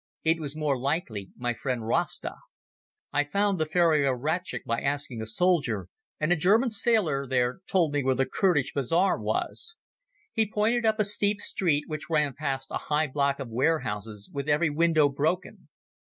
It was more likely my friend Rasta. I found the ferry of Ratchik by asking a soldier and a German sailor there told me where the Kurdish Bazaar was. He pointed up a steep street which ran past a high block of warehouses with every window broken.